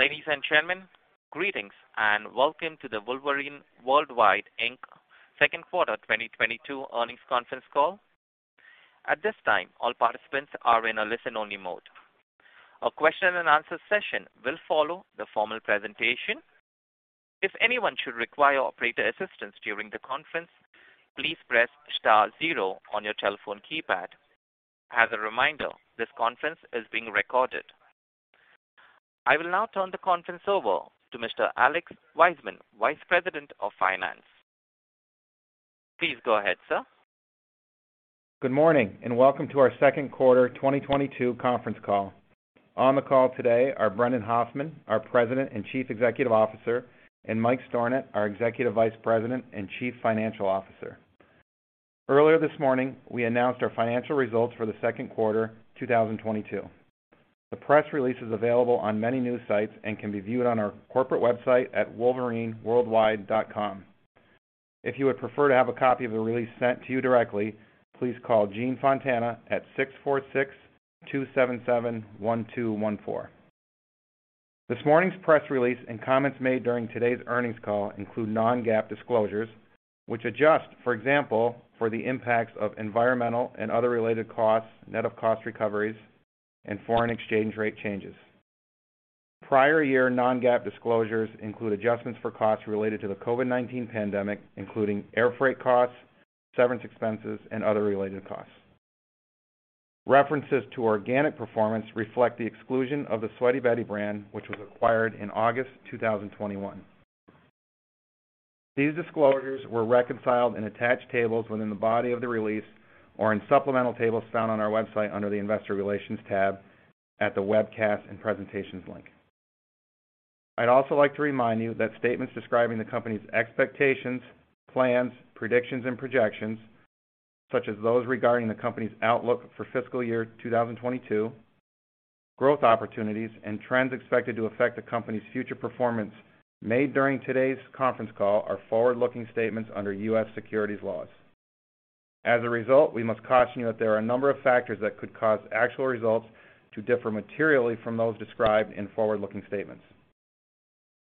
Ladies and gentlemen, greetings and welcome to the Wolverine World Wide, Inc. second quarter 2022 earnings conference call. At this time, all participants are in a listen-only mode. A question and answer session will follow the formal presentation. If anyone should require operator assistance during the conference, please press star zero on your telephone keypad. As a reminder, this conference is being recorded. I will now turn the conference over to Mr. Alex Wiseman, Vice President of Finance. Please go ahead, sir. Good morning, and welcome to our second quarter 2022 conference call. On the call today are Brendan Hoffman, our President and Chief Executive Officer, and Mike Stornant, our Executive Vice President and Chief Financial Officer. Earlier this morning, we announced our financial results for the second quarter 2022. The press release is available on many news sites and can be viewed on our corporate website at wolverineworldwide.com. If you would prefer to have a copy of the release sent to you directly, please call Jean Fontana at 646-277-1214. This morning's press release and comments made during today's earnings call include non-GAAP disclosures, which adjust, for example, for the impacts of environmental and other related costs, net of cost recoveries and foreign exchange rate changes. Prior year non-GAAP disclosures include adjustments for costs related to the COVID-19 pandemic, including air freight costs, severance expenses, and other related costs. References to organic performance reflect the exclusion of the Sweaty Betty brand, which was acquired in August 2021. These disclosures were reconciled in attached tables within the body of the release or in supplemental tables found on our website under the Investor Relations tab at the Webcasts and Presentations link. I'd also like to remind you that statements describing the company's expectations, plans, predictions, and projections, such as those regarding the company's outlook for fiscal year 2022, growth opportunities, and trends expected to affect the company's future performance made during today's conference call are forward-looking statements under U.S. securities laws. As a result we must caution you that there are a number of factors that could cause actual results to differ materially from those described in forward-looking statements.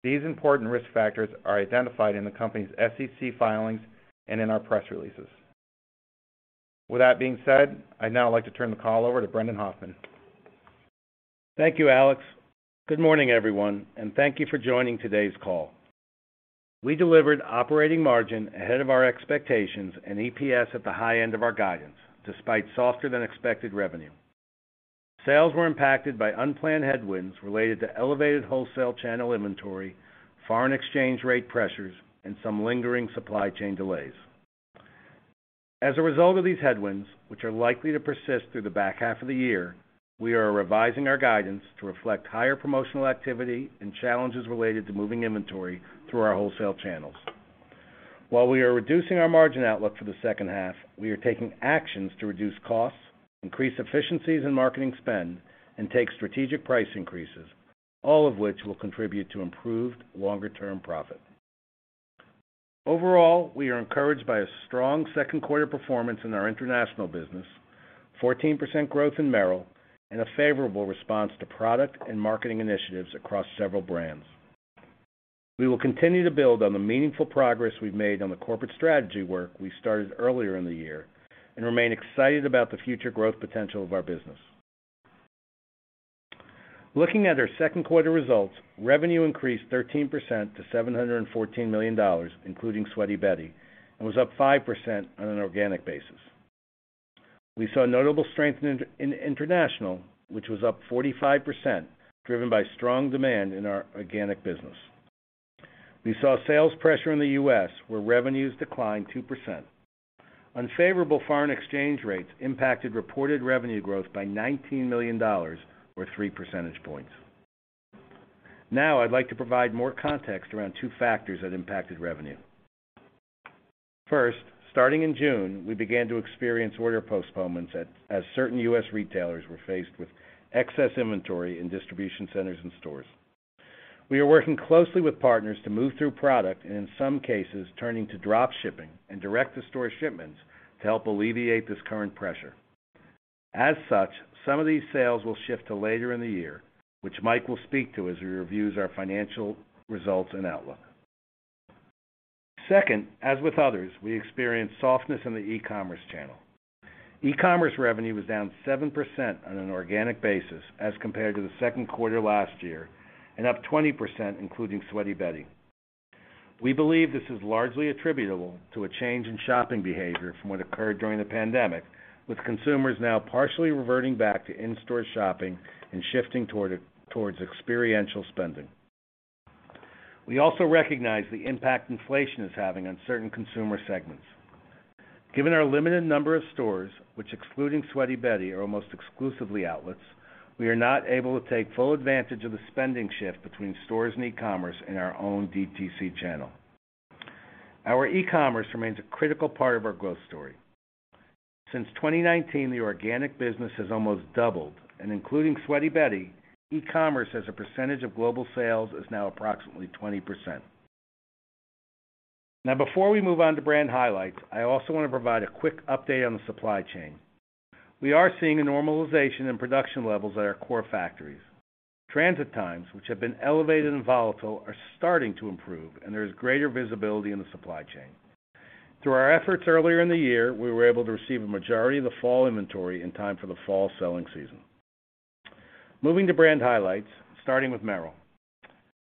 These important risk factors are identified in the company's SEC filings and in our press releases. With that being said, I'd now like to turn the call over to Brendan Hoffman. Thank you Alex good morning everyone, and thank you for joining today's call. We delivered operating margin ahead of our expectations and EPS at the high end of our guidance despite softer than expected revenue. Sales were impacted by unplanned headwinds related to elevated wholesale channel inventory, foreign exchange rate pressures, and some lingering supply chain delays. As a result of these headwinds, which are likely to persist through the back half of the year, we are revising our guidance to reflect higher promotional activity and challenges related to moving inventory through our wholesale channels. While we are reducing our margin outlook for the second half, we are taking actions to reduce costs, increase efficiencies in marketing spend, and take strategic price increases, all of which will contribute to improved longer-term profit. Overall we are encouraged by a strong second quarter performance in our international business, 14% growth in Merrell, and a favorable response to product and marketing initiatives across several brands. We will continue to build on the meaningful progress we've made on the corporate strategy work we started earlier in the year and remain excited about the future growth potential of our business. Looking at our second quarter results, revenue increased 13% to $714 million, including Sweaty Betty, and was up 5% on an organic basis. We saw notable strength in international, which was up 45%, driven by strong demand in our organic business. We saw sales pressure in the U.S., where revenues declined 2%. Unfavorable foreign exchange rates impacted reported revenue growth by $19 million or 3 percentage points. Now I'd like to provide more context around two factors that impacted revenue. First, starting in June, we began to experience order postponements, as certain U.S. retailers were faced with excess inventory in distribution centers and stores. We are working closely with partners to move through product, and in some cases, turning to drop shipping and direct-to-store shipments to help alleviate this current pressure. As such, some of these sales will shift to later in the year, which Mike will speak to as he reviews our financial results and outlook. Second, as with others, we experienced softness in the e-commerce channel. E-commerce revenue was down 7% on an organic basis as compared to the second quarter last year and up 20%, including Sweaty Betty. We believe this is largely attributable to a change in shopping behavior from what occurred during the pandemic, with consumers now partially reverting back to in-store shopping and shifting toward experiential spending. We also recognize the impact inflation is having on certain consumer segments. Given our limited number of stores, which excluding Sweaty Betty, are almost exclusively outlets, we are not able to take full advantage of the spending shift between stores and e-commerce in our own DTC channel. Our e-commerce remains a critical part of our growth story. Since 2019, the organic business has almost doubled, and including Sweaty Betty, e-commerce as a percentage of global sales is now approximately 20%. Now, before we move on to brand highlights, I also wanna provide a quick update on the supply chain. We are seeing a normalization in production levels at our core factories. Transit times which have been elevated and volatile, are starting to improve, and there is greater visibility in the supply chain. Through our efforts earlier in the year, we were able to receive a majority of the fall inventory in time for the fall selling season. Moving to brand highlights, starting with Merrell.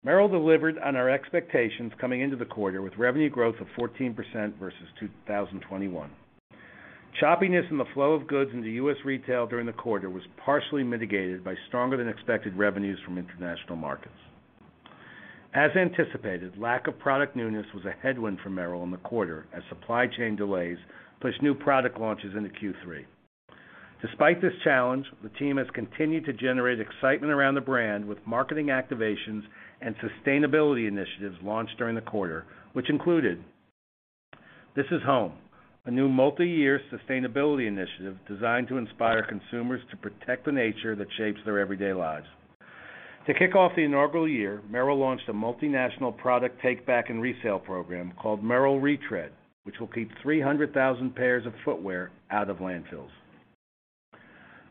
Merrell delivered on our expectations coming into the quarter with revenue growth of 14% versus 2021. Choppiness in the flow of goods in the U.S. retail during the quarter was partially mitigated by stronger than expected revenues from international markets. As anticipated, lack of product newness was a headwind for Merrell in the quarter as supply chain delays pushed new product launches into Q3. Despite this challenge the team has continued to generate excitement around the brand with marketing activations and sustainability initiatives launched during the quarter, which included This Is Home, a new multiyear sustainability initiative designed to inspire consumers to protect the nature that shapes their everyday lives. To kick off the inaugural year, Merrell launched a multinational product take-back and resale program called Merrell ReTread, which will keep 300,000 pairs of footwear out of landfills.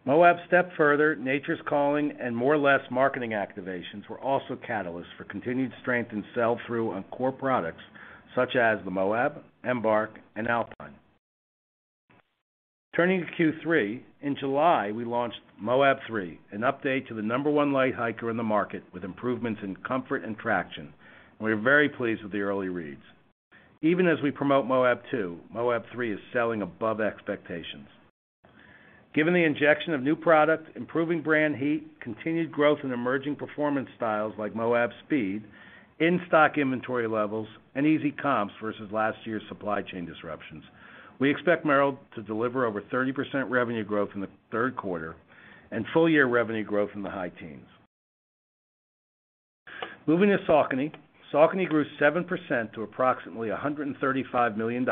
Moab Step Further, Nature's Calling, and More Less marketing activations were also catalysts for continued strength and sell-through on core products such as the Moab, Embark, and Alpine. Turning to Q3, in July, we launched Moab 3, an update to the number one light hiker in the market with improvements in comfort and traction, and we are very pleased with the early reads. Even as we promote Moab 2, Moab 3 is selling above expectations. Given the injection of new product, improving brand heat, continued growth in emerging performance styles like Moab Speed, in-stock inventory levels, and easy comps versus last year's supply chain disruptions, we expect Merrell to deliver over 30% revenue growth in the third quarter and full year revenue growth in the high teens%. Moving to Saucony. Saucony grew 7% to approximately $135 million,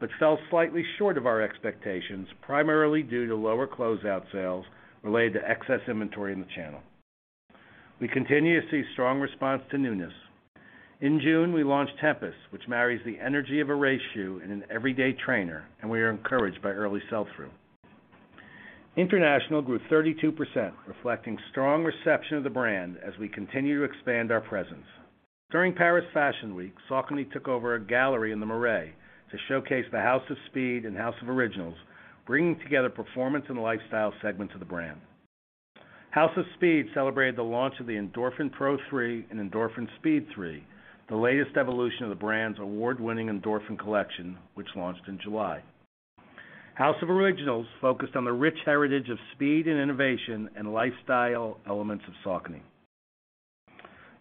but fell slightly short of our expectations, primarily due to lower closeout sales related to excess inventory in the channel. We continue to see strong response to newness. In June, we launched Tempus, which marries the energy of a race shoe in an everyday trainer, and we are encouraged by early sell-through. International grew 32%, reflecting strong reception of the brand as we continue to expand our presence. During Paris Fashion Week Saucony took over a gallery in the Marais to showcase the House of Speed and House of Originals, bringing together performance and lifestyle segments of the brand. House of Speed celebrated the launch of the Endorphin Pro 3 and Endorphin Speed 3, the latest evolution of the brand's award-winning Endorphin collection, which launched in July. House of Originals focused on the rich heritage of speed and innovation and lifestyle elements of Saucony.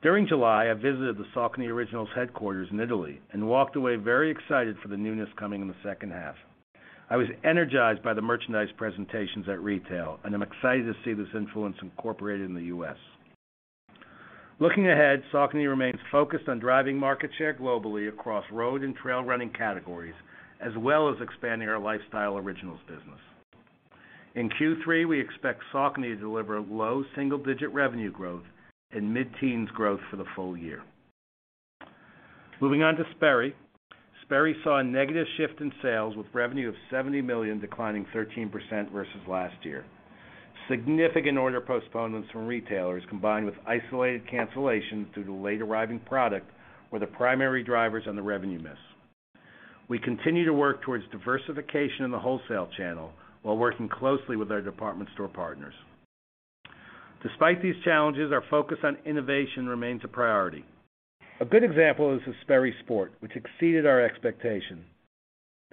During July, I visited the Saucony Originals headquarters in Italy and walked away very excited for the newness coming in the second half. I was energized by the merchandise presentations at retail, and I'm excited to see this influence incorporated in the U.S. Looking ahead, Saucony remains focused on driving market share globally across road and trail running categories, as well as expanding our lifestyle Originals business. In Q3 we expect Saucony to deliver low single-digit revenue growth and mid-teens growth for the full year. Moving on to Sperry. Sperry saw a negative shift in sales with revenue of $70 million declining 13% versus last year. Significant order postponements from retailers combined with isolated cancellations due to late arriving product were the primary drivers on the revenue miss. We continue to work towards diversification in the wholesale channel while working closely with our department store partners. Despite these challenges, our focus on innovation remains a priority. A good example is the Sperry Sport, which exceeded our expectations.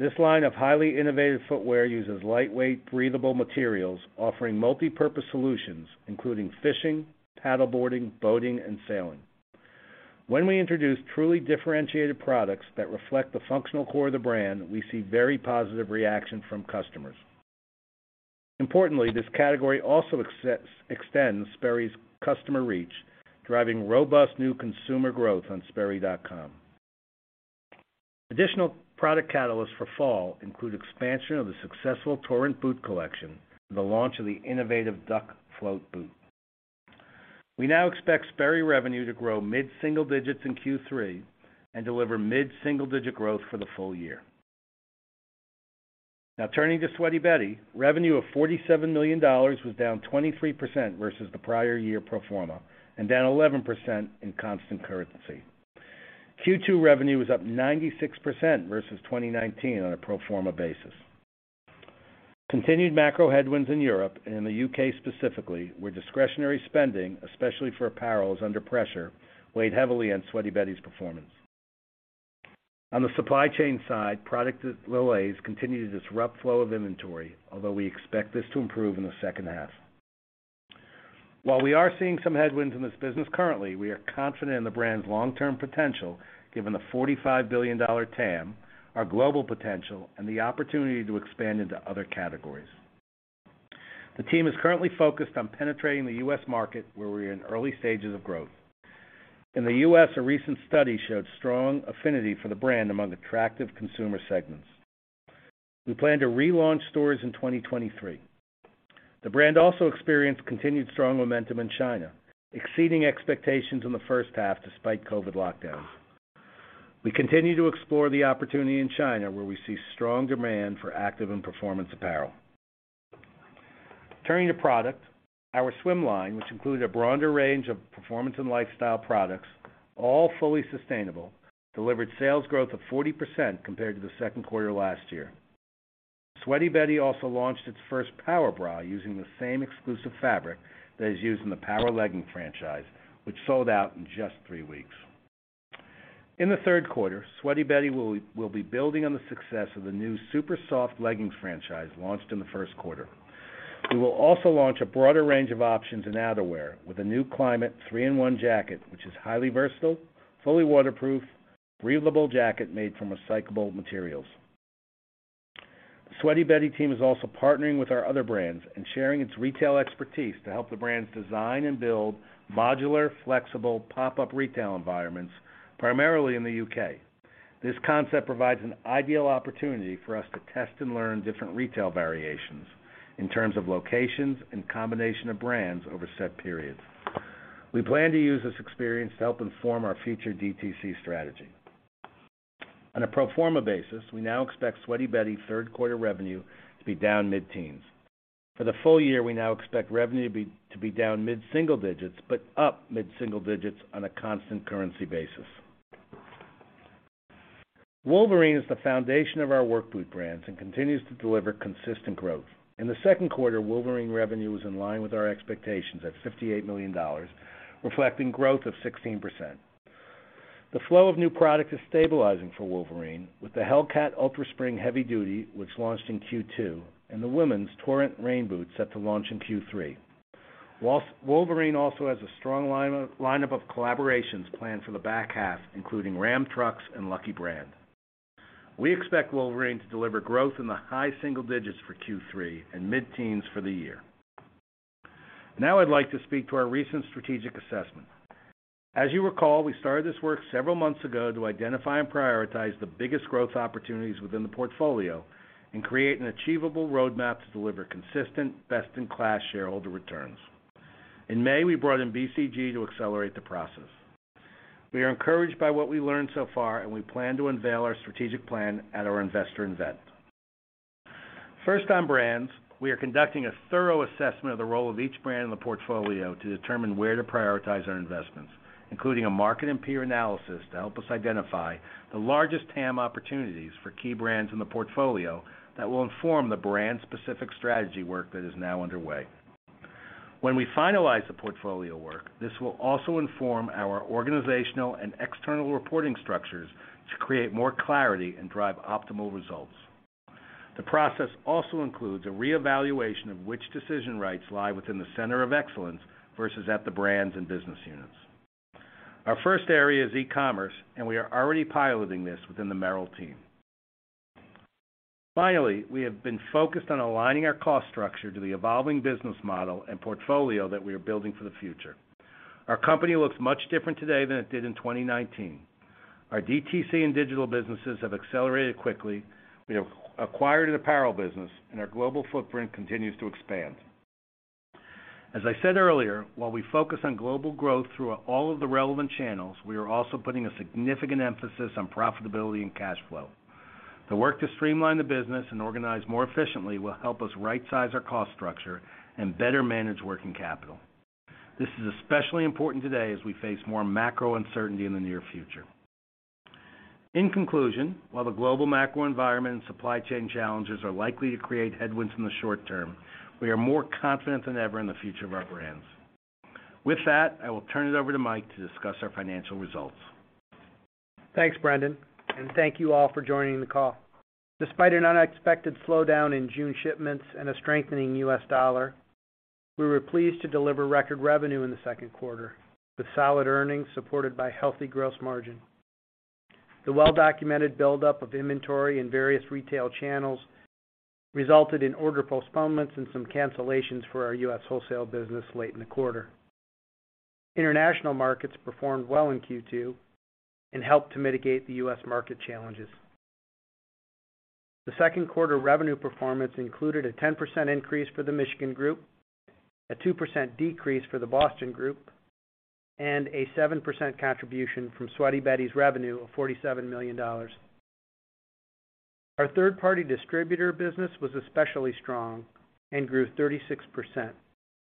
This line of highly innovative footwear uses lightweight, breathable materials offering multipurpose solutions, including fishing, paddleboarding, boating, and sailing. When we introduce truly differentiated products that reflect the functional core of the brand, we see very positive reaction from customers. Importantly this category also extends Sperry's customer reach, driving robust new consumer growth on sperry.com. Additional product catalysts for fall include expansion of the successful Torrent boot collection, the launch of the innovative Duck Float boot. We now expect Sperry revenue to grow mid-single digits in Q3 and deliver mid-single-digit growth for the full year. Now turning to Sweaty Betty, revenue of $47 million was down 23% versus the prior year pro forma and down 11% in constant currency. Q2 revenue was up 96% versus 2019 on a pro forma basis. Continued macro headwinds in Europe and in the U.K. specifically, where discretionary spending, especially for apparel, is under pressure, weighed heavily on Sweaty Betty's performance. On the supply chain side, product delays continue to disrupt flow of inventory, although we expect this to improve in the second half. While we are seeing some headwinds in this business currently, we are confident in the brand's long-term potential given the $45 billion TAM, our global potential, and the opportunity to expand into other categories. The team is currently focused on penetrating the U.S. market where we're in early stages of growth. In the U.S., a recent study showed strong affinity for the brand among attractive consumer segments. We plan to relaunch stores in 2023. The brand also experienced continued strong momentum in China, exceeding expectations in the first half despite COVID lockdowns. We continue to explore the opportunity in China, where we see strong demand for active and performance apparel. Turning to product, our swim line, which includes a broader range of performance and lifestyle products, all fully sustainable, delivered sales growth of 40% compared to the second quarter last year. Sweaty Betty also launched its first power bra using the same exclusive fabric that is used in the power legging franchise, which sold out in just three weeks. In the third quarter, Sweaty Betty will be building on the success of the new super soft leggings franchise launched in the first quarter. We will also launch a broader range of options in outerwear with a new climate three-in-one jacket, which is highly versatile, fully waterproof, breathable jacket made from recyclable materials. Sweaty Betty team is also partnering with our other brands and sharing its retail expertise to help the brands design and build modular, flexible pop-up retail environments primarily in the U.K. This concept provides an ideal opportunity for us to test and learn different retail variations in terms of locations and combination of brands over set periods. We plan to use this experience to help inform our future DTC strategy. On a pro forma basis, we now expect Sweaty Betty third quarter revenue to be down mid-teens. For the full year, we now expect revenue to be down mid-single digits, but up mid-single digits on a constant currency basis. Wolverine is the foundation of our work boot brands and continues to deliver consistent growth. In the second quarter, Wolverine revenue was in line with our expectations at $58 million, reflecting growth of 16%. The flow of new product is stabilizing for Wolverine with the Hellcat UltraSpring heavy duty, which launched in Q2, and the women's Torrent rain boots set to launch in Q3. Wolverine also has a strong lineup of collaborations planned for the back half, including Ram Trucks and Lucky Brand. We expect Wolverine to deliver growth in the high single digits for Q3 and mid-teens for the year. Now I'd like to speak to our recent strategic assessment. As you recall, we started this work several months ago to identify and prioritize the biggest growth opportunities within the portfolio and create an achievable roadmap to deliver consistent, best-in-class shareholder returns. In May, we brought in BCG to accelerate the process. We are encouraged by what we learned so far, and we plan to unveil our strategic plan at our Investor Event. First on brands, we are conducting a thorough assessment of the role of each brand in the portfolio to determine where to prioritize our investments, including a market and peer analysis to help us identify the largest TAM opportunities for key brands in the portfolio that will inform the brand-specific strategy work that is now underway. When we finalize the portfolio work, this will also inform our organizational and external reporting structures to create more clarity and drive optimal results. The process also includes a reevaluation of which decision rights lie within the center of excellence versus at the brands and business units. Our first area is e-commerce, and we are already piloting this within the Merrell team. Finally, we have been focused on aligning our cost structure to the evolving business model and portfolio that we are building for the future. Our company looks much different today than it did in 2019. Our DTC and digital businesses have accelerated quickly. We have acquired an apparel business, and our global footprint continues to expand. As I said earlier, while we focus on global growth through all of the relevant channels, we are also putting a significant emphasis on profitability and cash flow. The work to streamline the business and organize more efficiently will help us right-size our cost structure and better manage working capital. This is especially important today as we face more macro uncertainty in the near future. In conclusion, while the global macro environment and supply chain challenges are likely to create headwinds in the short term, we are more confident than ever in the future of our brands. With that, I will turn it over to Mike to discuss our financial results. Thanks Brendan, and thank you all for joining the call. Despite an unexpected slowdown in June shipments and a strengthening U.S. dollar, we were pleased to deliver record revenue in the second quarter with solid earnings supported by healthy gross margin. The well-documented buildup of inventory in various retail channels resulted in order postponements and some cancellations for our U.S. wholesale business late in the quarter. International markets performed well in Q2 and helped to mitigate the U.S. market challenges. The second quarter revenue performance included a 10% increase for the Michigan Group, a 2% decrease for the Boston Group, and a 7% contribution from Sweaty Betty's revenue of $47 million. Our third-party distributor business was especially strong and grew 36%,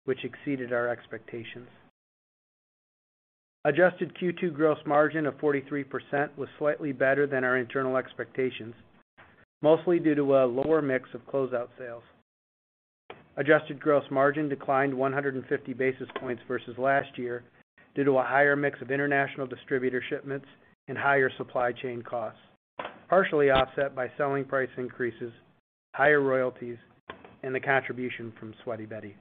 which exceeded our expectations. Adjusted Q2 gross margin of 43% was slightly better than our internal expectations, mostly due to a lower mix of closeout sales. Adjusted gross margin declined 150 basis points versus last year due to a higher mix of international distributor shipments and higher supply chain costs, partially offset by selling price increases, higher royalties, and the contribution from Sweaty Betty.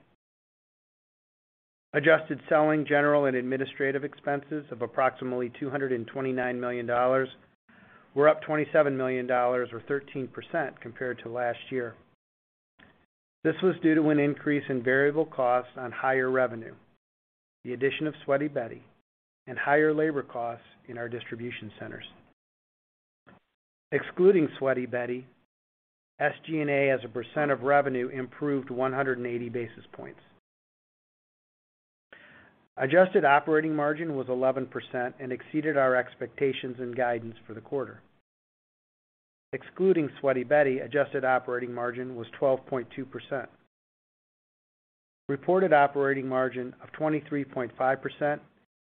Adjusted selling, general, and administrative expenses of approximately $229 million were up $27 million or 13% compared to last year. This was due to an increase in variable costs on higher revenue, the addition of Sweaty Betty, and higher labor costs in our distribution centers. Excluding Sweaty Betty, SG&A as a percent of revenue improved 180 basis points. Adjusted operating margin was 11% and exceeded our expectations and guidance for the quarter. Excluding Sweaty Betty adjusted operating margin was 12.2%. Reported operating margin of 23.5%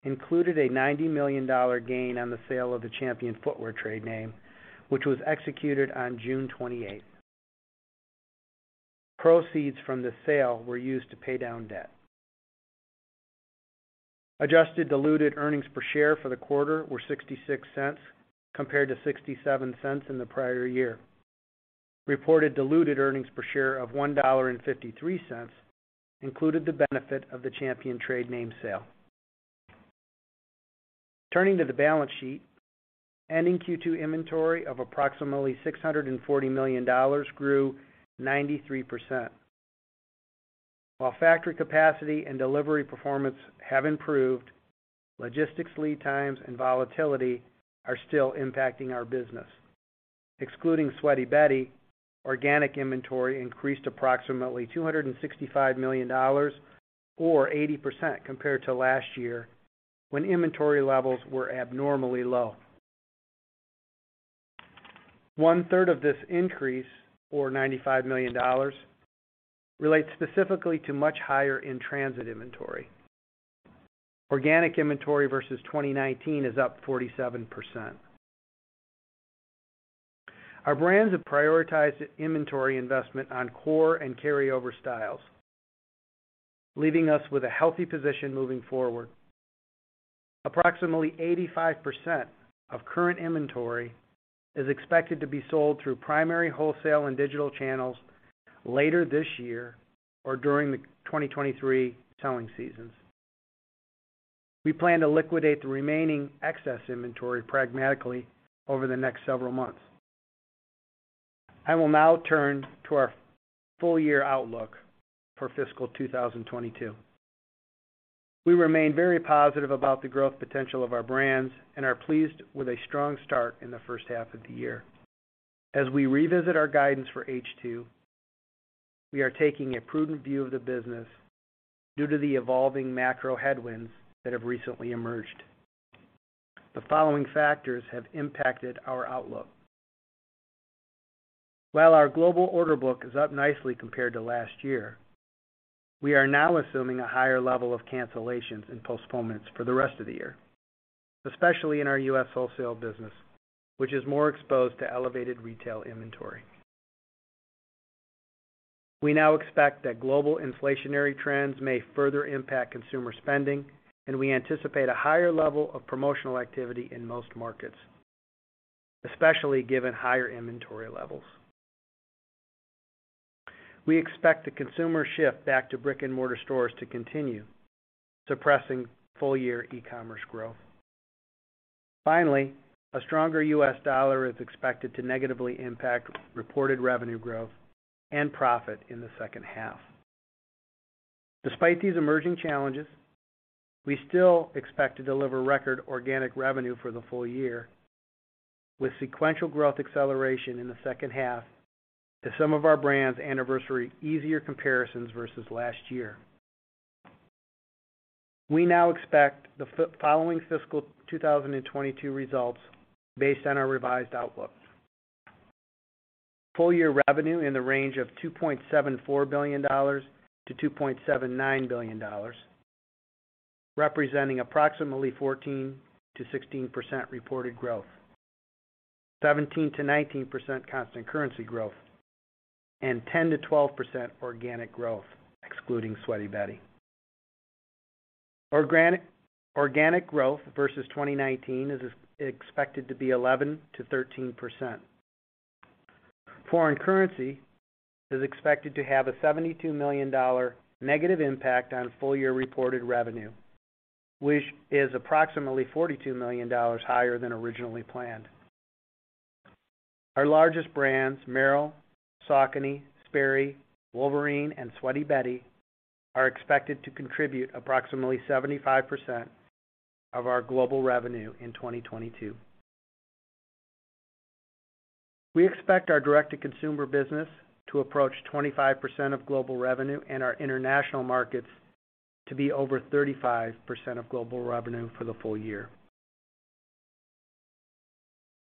included a $90 million gain on the sale of the Champion Footwear trade name, which was executed on June 28. Proceeds from the sale were used to pay down debt. Adjusted diluted earnings per share for the quarter were $0.66 compared to $0.67 in the prior year. Reported diluted earnings per share of $1.53 included the benefit of the Champion trade name sale. Turning to the balance sheet. Ending Q2 inventory of approximately $640 million grew 93%. While factory capacity and delivery performance have improved, logistics lead times and volatility are still impacting our business. Excluding Sweaty Betty organic inventory increased approximately $265 million or 80% compared to last year, when inventory levels were abnormally low. One third of this increase, or $95 million, relates specifically to much higher in-transit inventory. Organic inventory versus 2019 is up 47%. Our brands have prioritized inventory investment on core and carryover styles, leaving us with a healthy position moving forward. Approximately 85% of current inventory is expected to be sold through primary wholesale and digital channels later this year or during the 2023 selling seasons. We plan to liquidate the remaining excess inventory pragmatically over the next several months. I will now turn to our full year outlook for fiscal 2022. We remain very positive about the growth potential of our brands and are pleased with a strong start in the first half of the year. As we revisit our guidance for H2, we are taking a prudent view of the business due to the evolving macro headwinds that have recently emerged. The following factors have impacted our outlook. While our global order book is up nicely compared to last year, we are now assuming a higher level of cancellations and postponements for the rest of the year, especially in our U.S. wholesale business, which is more exposed to elevated retail inventory. We now expect that global inflationary trends may further impact consumer spending, and we anticipate a higher level of promotional activity in most markets, especially given higher inventory levels. We expect the consumer shift back to brick-and-mortar stores to continue suppressing full year e-commerce growth. Finally a stronger US dollar is expected to negatively impact reported revenue growth and profit in the second half. Despite these emerging challenges, we still expect to deliver record organic revenue for the full year, with sequential growth acceleration in the second half as some of our brands anniversary easier comparisons versus last year. We now expect the following fiscal 2022 results based on our revised outlook. Full year revenue in the range of $2.74 billion-$2.79 billion, representing approximately 14%-16% reported growth. 17%-19% constant currency growth, and 10%-12% organic growth excluding Sweaty Betty. Organic growth versus 2019 is expected to be 11%-13%. Foreign currency is expected to have a $72 million negative impact on full year reported revenue, which is approximately $42 million higher than originally planned. Our largest brands, Merrell, Saucony, Sperry, Wolverine, and Sweaty Betty, are expected to contribute approximately 75% of our global revenue in 2022. We expect our direct-to-consumer business to approach 25% of global revenue and our international markets to be over 35% of global revenue for the full year.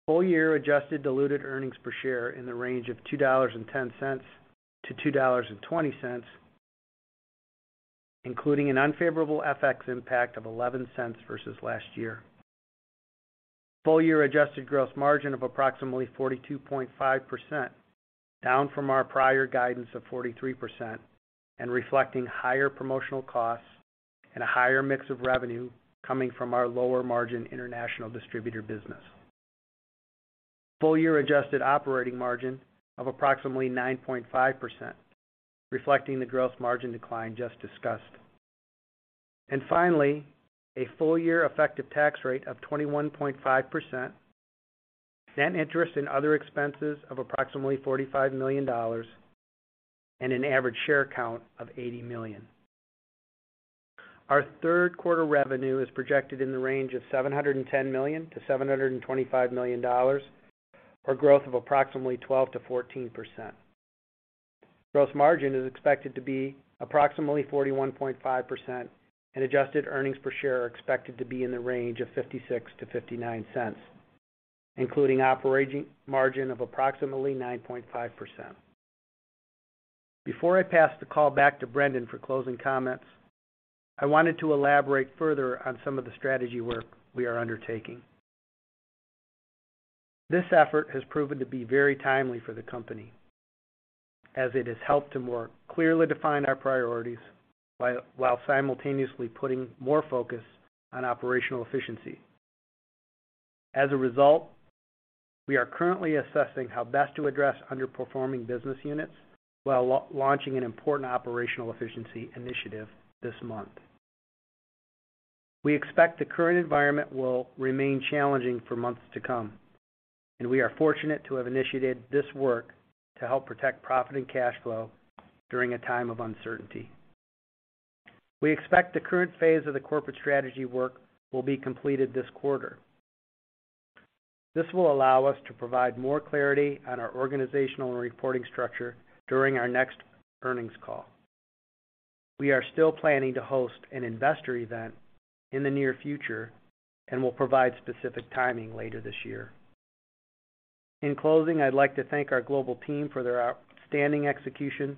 Full year adjusted diluted earnings per share in the range of $2.10-$2.20, including an unfavorable FX impact of $0.11 versus last year. Full year adjusted gross margin of approximately 42.5%, down from our prior guidance of 43% and reflecting higher promotional costs and a higher mix of revenue coming from our lower margin international distributor business. Full year adjusted operating margin of approximately 9.5%, reflecting the gross margin decline just discussed. Finally, a full year effective tax rate of 21.5%, net interest and other expenses of approximately $45 million, and an average share count of 80 million. Our third quarter revenue is projected in the range of $710 million-$725 million, or growth of approximately 12%-14%. Gross margin is expected to be approximately 41.5%, and adjusted earnings per share are expected to be in the range of $0.56-$0.59, including operating margin of approximately 9.5%. Before I pass the call back to Brendan for closing comments, I wanted to elaborate further on some of the strategy work we are undertaking. This effort has proven to be very timely for the company, as it has helped to more clearly define our priorities while simultaneously putting more focus on operational efficiency. As a result, we are currently assessing how best to address underperforming business units while launching an important operational efficiency initiative this month. We expect the current environment will remain challenging for months to come, and we are fortunate to have initiated this work to help protect profit and cash flow during a time of uncertainty. We expect the current phase of the corporate strategy work will be completed this quarter. This will allow us to provide more clarity on our organizational and reporting structure during our next earnings call. We are still planning to host an investor event in the near future and will provide specific timing later this year. In closing I'd like to thank our global team for their outstanding execution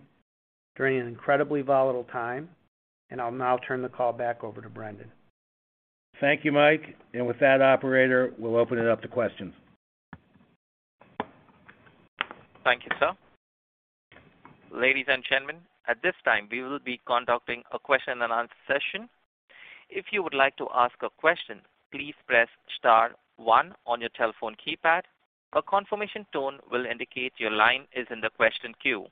during an incredibly volatile time, and I'll now turn the call back over to Brendan. Thank you Mike with that operator we'll open it up to questions. Thank you, sir. Ladies and gentlemen, at this time, we will be conducting a question and answer session. If you would like to ask a question, please press star one on your telephone keypad. A confirmation tone will indicate your line is in the question queue.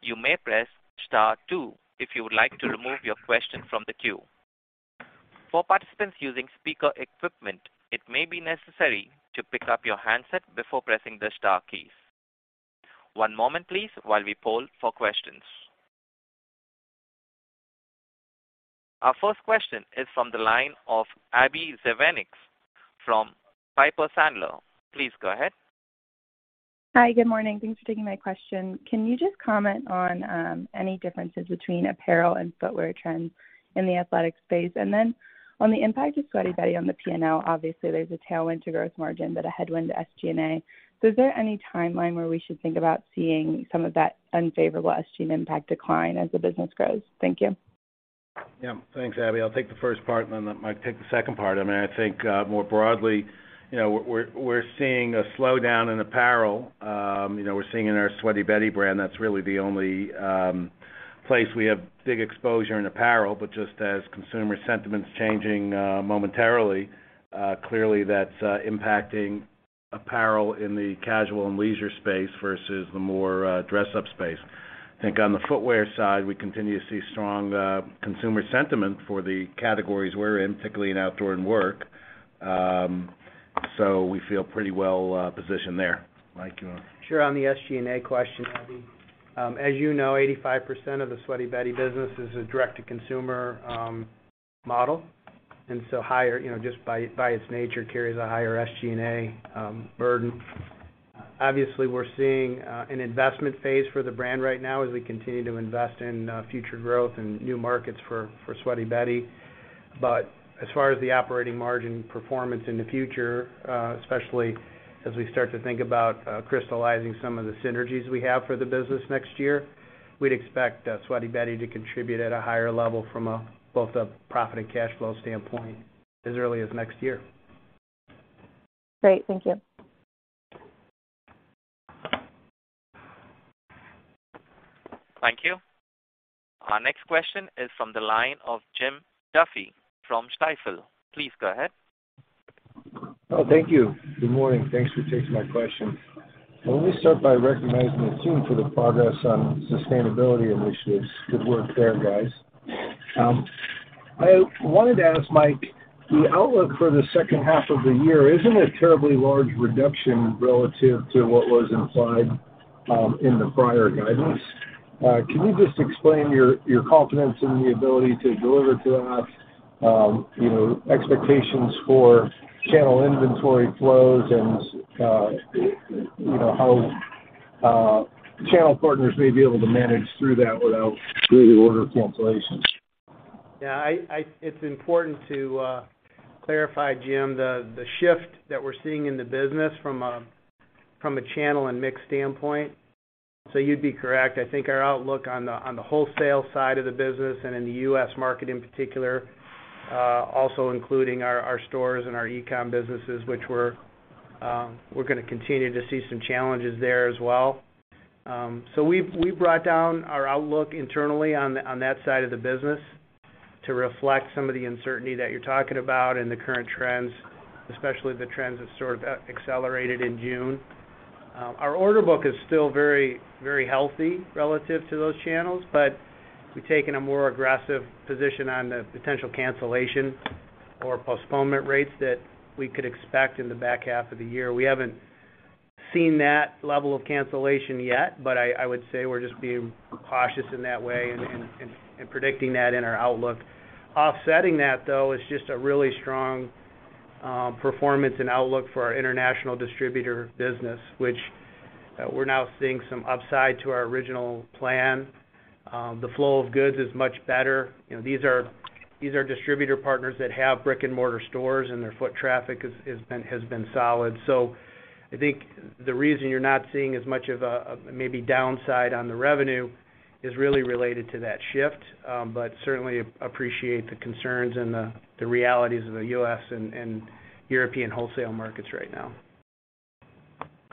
You may press star two if you would like to remove your question from the queue. For participants using speaker equipment, it may be necessary to pick up your handset before pressing the star keys. One moment, please, while we poll for questions. Our first question is from the line of Abbie Zvejnieks from Piper Sandler. Please go ahead. Hi good morning. Thanks for taking my question. Can you just comment on any differences between apparel and footwear trends in the athletic space? On the impact of Sweaty Betty on the P&L, obviously, there's a tailwind to growth margin, but a headwind to SG&A. Is there any timeline where we should think about seeing some of that unfavorable SG&A impact decline as the business grows? Thank you. Yeah. Thanks Abby. I'll take the first part, and then Mike take the second part. I mean, I think, more broadly, you know, we're seeing a slowdown in apparel. You know, we're seeing in our Sweaty Betty brand, that's really the only place we have big exposure in apparel. But just as consumer sentiment's changing, momentarily, clearly that's impacting apparel in the casual and leisure space versus the more, dress up space. I think on the footwear side, we continue to see strong consumer sentiment for the categories we're in, particularly in outdoor and work. So we feel pretty well positioned there. Mike, you want to- Sure. On the SG&A question Abbie Zvejnieks, as you know, 85% of the Sweaty Betty business is a direct-to-consumer model, and so higher, you know, just by its nature, carries a higher SG&A burden. Obviously, we're seeing an investment phase for the brand right now as we continue to invest in future growth and new markets for Sweaty Betty. As far as the operating margin performance in the future, especially as we start to think about crystallizing some of the synergies we have for the business next year, we'd expect Sweaty Betty to contribute at a higher level from both a profit and cash flow standpoint as early as next year. Great. Thank you. Thank you. Our next question is from the line of Jim Duffy from Stifel. Please go ahead. Thank you. Good morning. Thanks for taking my question. Let me start by recognizing the team for the progress on sustainability initiatives. Good work there, guys. I wanted to ask Mike, the outlook for the second half of the year isn't a terribly large reduction relative to what was implied in the prior guidance. Can you just explain your confidence in the ability to deliver to that you know, expectations for channel inventory flows and you know, how channel partners may be able to manage through that without reorder cancellations? It's important to clarify Jim the shift that we're seeing in the business from a channel and mix standpoint. You'd be correct. I think our outlook on the wholesale side of the business and in the U.S. market in particular, also including our stores and our e-com businesses, which we're gonna continue to see some challenges there as well. We've brought down our outlook internally on that side of the business to reflect some of the uncertainty that you're talking about and the current trends, especially the trends that sort of accelerated in June. Our order book is still very healthy relative to those channels, but we've taken a more aggressive position on the potential cancellation or postponement rates that we could expect in the back half of the year. We haven't seen that level of cancellation yet, but I would say we're just being cautious in that way and predicting that in our outlook. Offsetting that though, is just a really strong performance and outlook for our international distributor business, which we're now seeing some upside to our original plan. The flow of goods is much better. You know, these are distributor partners that have brick-and-mortar stores, and their foot traffic has been solid. I think the reason you're not seeing as much of a, maybe downside on the revenue is really related to that shift. Certainly appreciate the concerns and the realities of the US and European wholesale markets right now.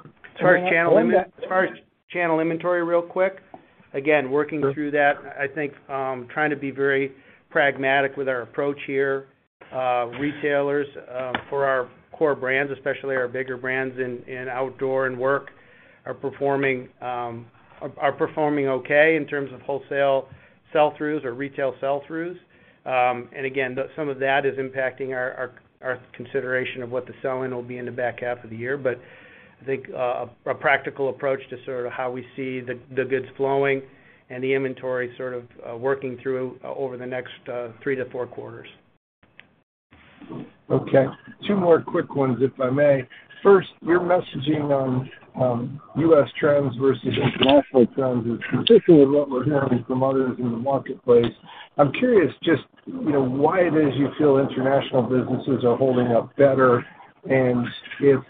As far as channel. As far as channel inventory real quick, again, working through that, I think, trying to be very pragmatic with our approach here. Retailers, for our core brands, especially our bigger brands in outdoor and work, are performing okay in terms of wholesale sell-throughs or retail sell-throughs. Again, some of that is impacting our consideration of what the selling will be in the back half of the year. I think, a practical approach to sort of how we see the goods flowing and the inventory sort of working through over the next three to four quarters. Okay. Two more quick ones if I may. First, your messaging on, U.S. trends versus international trends is particularly what we're hearing from others in the marketplace. I'm curious just, you know, why it is you feel international businesses are holding up better and if,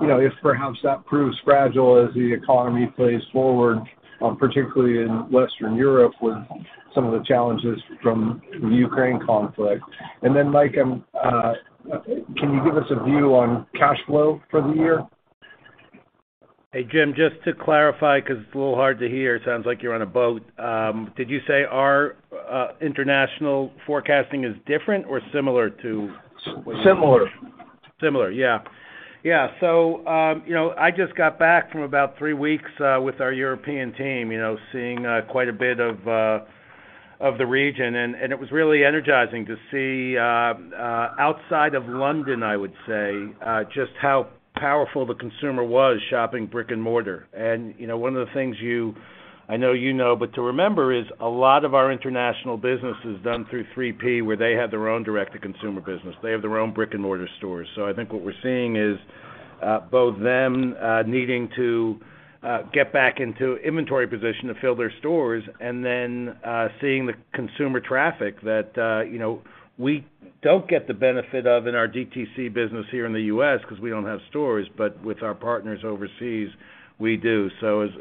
you know, if perhaps that proves fragile as the economy plays forward, particularly in Western Europe with some of the challenges from the Ukraine conflict. Mike, can you give us a view on cash flow for the year? Hey Jim just to clarify, 'cause it's a little hard to hear. It sounds like you're on a boat. Did you say our international forecasting is different or similar to? Similar. Similar yeah. Yeah. I just got back from about three weeks with our European team, you know, seeing quite a bit of the region, and it was really energizing to see outside of London, I would say, just how powerful the consumer was shopping brick-and-mortar. You know, one of the things I know you know, but to remember is a lot of our international business is done through 3P, where they have their own direct-to-consumer business. They have their own brick-and-mortar stores. I think what we're seeing is both them needing to get back into inventory position to fill their stores and then seeing the consumer traffic that you know we don't get the benefit of in our DTC business here in the U.S. because we don't have stores, but with our partners overseas, we do.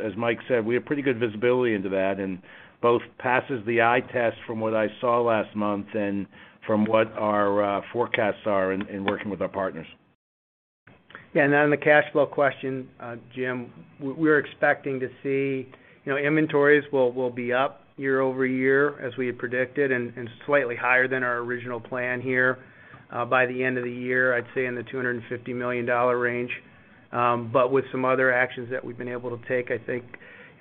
As Mike said, we have pretty good visibility into that, and both passes the eye test from what I saw last month and from what our forecasts are in working with our partners. Yeah. On the cash flow question Jim we're expecting to see, you know, inventories will be up year-over-year as we had predicted and slightly higher than our original plan here, by the end of the year, I'd say in the $250 million range. With some other actions that we've been able to take, I think,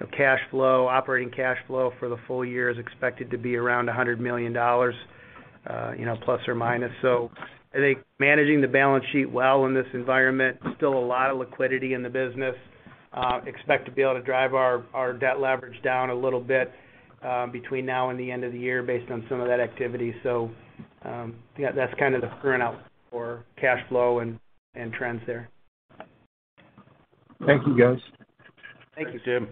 you know, cash flow, operating cash flow for the full year is expected to be around $100 million, you know, plus or minus. I think managing the balance sheet well in this environment, still a lot of liquidity in the business, expect to be able to drive our debt leverage down a little bit, between now and the end of the year based on some of that activity. Yeah that's kind of the current outlook for cash flow and trends there. Thank you guys. Thank you Jim.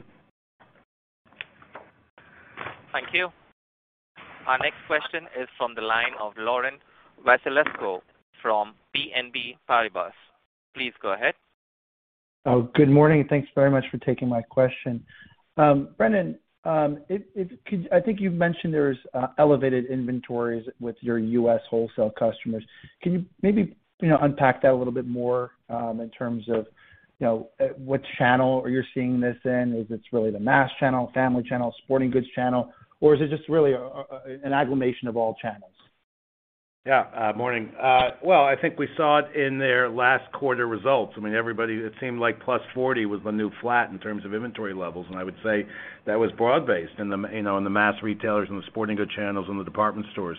Thank you. Our next question is from the line of Laurent Vasilescu from BNP Paribas. Please go ahead. Oh good morning, and thanks very much for taking my question. Brendan, I think you've mentioned there's elevated inventories with your U.S. wholesale customers. Can you maybe, you know, unpack that a little bit more, in terms of, you know, what channel are you seeing this in? Is it really the mass channel, family channel, sporting goods channel, or is it just really an agglomeration of all channels? Morning. Well I think we saw it in their last quarter results. I mean, everybody, it seemed like +40% was the new flat in terms of inventory levels, and I would say that was broad-based in the, you know, mass retailers and the sporting goods channels and the department stores.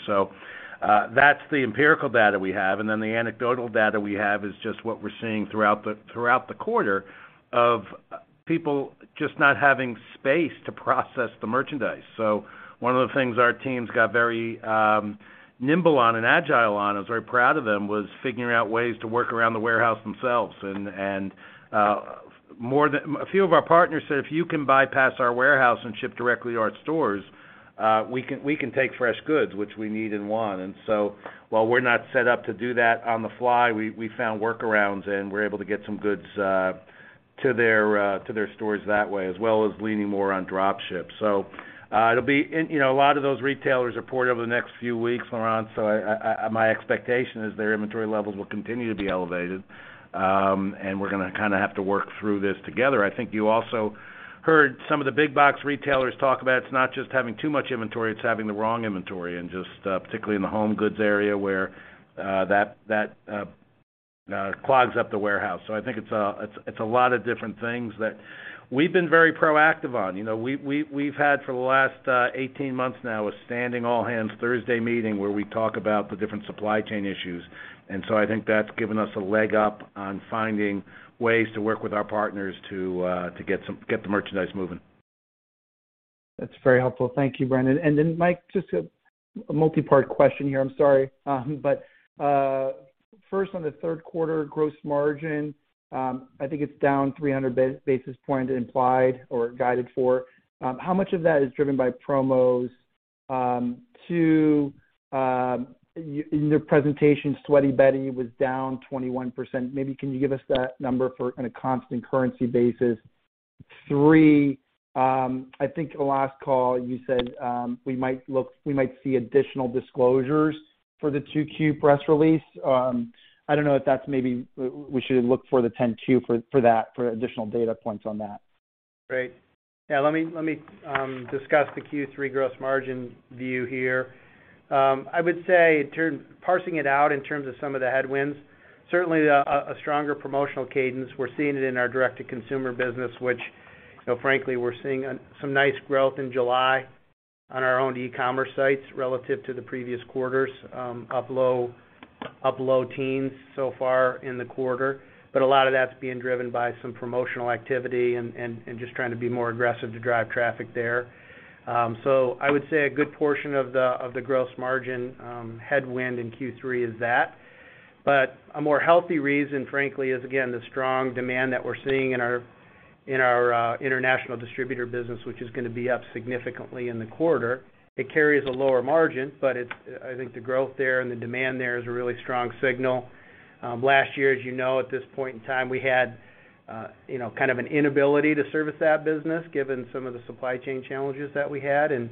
That's the empirical data we have, and then the anecdotal data we have is just what we're seeing throughout the quarter of people just not having space to process the merchandise. One of the things our teams got very nimble on and agile on, I was very proud of them, was figuring out ways to work around the warehouse themselves. More than a few of our partners said, "If you can bypass our warehouse and ship directly to our stores, we can take fresh goods, which we need and want." While we're not set up to do that on the fly, we found workarounds, and we're able to get some goods to their stores that way, as well as leaning more on drop ship. It'll be, you know, a lot of those retailers report over the next few weeks, Laurent Vasilescu, so my expectation is their inventory levels will continue to be elevated. We're gonna kinda have to work through this together. I think you also heard some of the big box retailers talk about it's not just having too much inventory, it's having the wrong inventory, and just particularly in the home goods area where it clogs up the warehouse. I think it's a lot of different things that we've been very proactive on. You know, we've had for the last 18 months now, a standing all hands Thursday meeting where we talk about the different supply chain issues. I think that's given us a leg up on finding ways to work with our partners to get the merchandise moving. That's very helpful. Thank you, Brendan. Mike, just a multi-part question here. I'm sorry. First on the third quarter gross margin, I think it's down 300 basis points implied or guided for. How much of that is driven by promos? Two, you in the presentation, Sweaty Betty was down 21%. Maybe can you give us that number for on a constant currency basis? Three, I think the last call, you said, we might see additional disclosures for the 2Q press release. I don't know if that's maybe we should look for the 10-Q for additional data points on that. Great. Yeah let me discuss the Q3 gross margin view here. I would say parsing it out in terms of some of the headwinds, certainly a stronger promotional cadence. We're seeing it in our direct-to-consumer business, which, you know, frankly, we're seeing some nice growth in July on our own e-commerce sites relative to the previous quarters, up low teens so far in the quarter. A lot of that's being driven by some promotional activity and just trying to be more aggressive to drive traffic there. I would say a good portion of the gross margin headwind in Q3 is that. A more healthy reason, frankly is again the strong demand that we're seeing in our international distributor business, which is gonna be up significantly in the quarter. It carries a lower margin, but I think the growth there and the demand there is a really strong signal. Last year, as you know, at this point in time, we had you know, kind of an inability to service that business given some of the supply chain challenges that we had, and